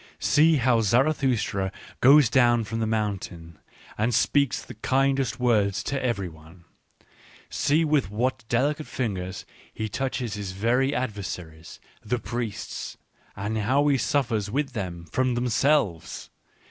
See how Zara thustra goes down from the mountain and speaks the kindest words to every one ! See with what delicate fingers he touches his very adversaries, the priests, and how he suffers with them from them selves